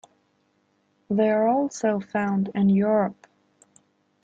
They are also found in Europe.